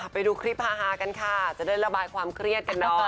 ไปดูคลิปฮากันค่ะจะได้ระบายความเครียดกันหน่อย